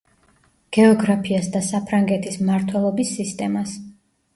გეოგრაფიას და საფრანგეთის მმართველობის სისტემას.